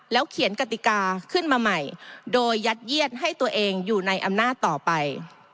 เขียนกติกาขึ้นมาใหม่โดยยัดเยียดให้ตัวเองอยู่ในอำนาจต่อไป